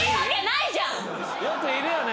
よくいるよね